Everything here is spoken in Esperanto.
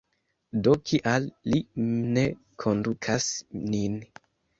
Do kial li ne kondukas nin?